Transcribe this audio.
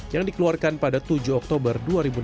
yang dikeluarkan pada tujuh oktober dua ribu enam belas